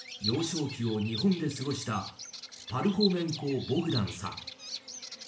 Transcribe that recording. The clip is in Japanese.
幼少期を日本で過ごしたパルホメンコ・ボグダンさん。